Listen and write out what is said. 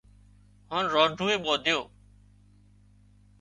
هانَ رانڍوئي ٻاڌيو